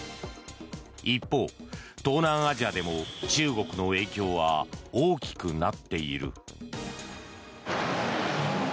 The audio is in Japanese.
一方、東南アジアでも中国の影響は大きくなっている。